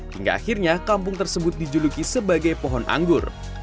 hingga akhirnya kampung tersebut dijuluki sebagai pohon anggur